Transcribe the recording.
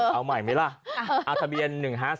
เอาใหม่ไหมล่ะทะเบียน๑๕๔